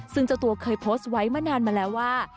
ซึ่งเจ้าตัวเคยโพสต์ไว้มานานมาแล้วว่า